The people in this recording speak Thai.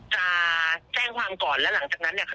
จะแจ้งความก่อนแล้วหลังจากนั้นเนี่ย